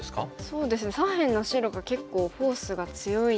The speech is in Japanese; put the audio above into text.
そうですね左辺の白が結構フォースが強いですね。